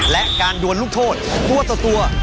และการดวนลูกโทษตัวต่อตัว